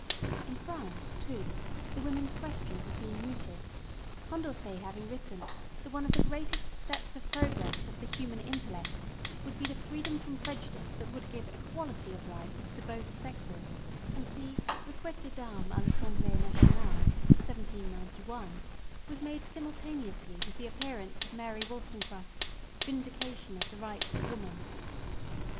In France, too, the women's question had been mooted ; Coudorcet having written that one of the greatest steps of progress of the human intellect would be the freedom from prejudice that would give equality of right to both sexes : and the Reguete des Dames a I Assembles Nationals 1791, was made simultaneously with the appearance of Mary Wollstonecraft's Vindi cation of the Bights of Woman.